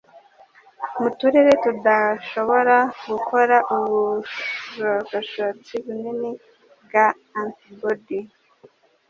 mu turere tudashobora gukora ubushakashatsi bunini bwa antibody.